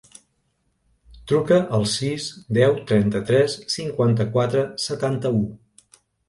Truca al sis, deu, trenta-tres, cinquanta-quatre, setanta-u.